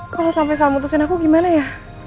kalo sampe sal mutusin aku gimana ya